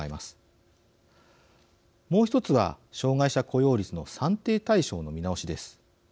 もう１つは障害者雇用率の算定対象の見直しです。